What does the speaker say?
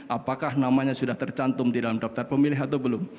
apakah namanya sudah tercantum di dalam daftar pemilih atau belum